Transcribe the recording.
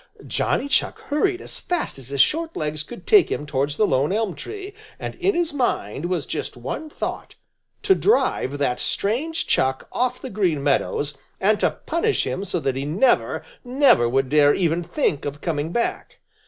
Johnny Chuck hurried as fast as his short legs could take him towards the lone elm tree, and in his mind was just one thought to drive that strange Chuck off the Green Meadows and to punish him so that he never, never would dare even think of coming back.